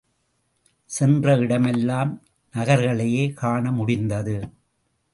சென்ற இடமெல்லாம் நகர்களையே காண முடிந்தது.